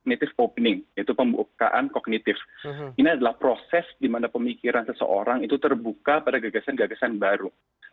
ini adalah proses di mana pemikiran seseorang itu terbuka pada gagasan gagasan baru